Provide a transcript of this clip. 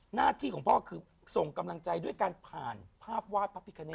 หน้าที่ของพ่อคือส่งกำลังใจด้วยการผ่านภาพวาดพระพิกาเนต